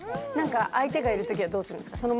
なんか相手がいるときはどうするんですか？